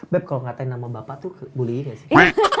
beb kalo ngatain nama bapak tuh bullying ya sih